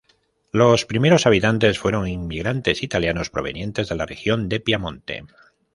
Los primeros habitantes fueron inmigrantes italianos provenientes de la región de Piamonte.